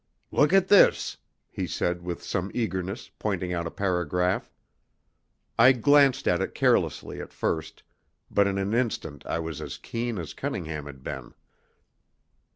"Look at this," he said, with some eagerness, pointing out a paragraph. I glanced at it carelessly at first, but in an instant I was as keen as Cunningham had been.